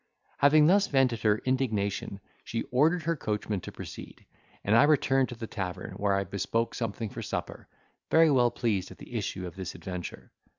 Having thus vented her indignation, she ordered her coachman to proceed, and I returned to the tavern, where I bespoke something for supper, very well pleased at the issue of this adventure.